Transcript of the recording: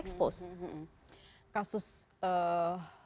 ini yang terjadi dengan ayah ini mungkin hanya salah satu yang terjadi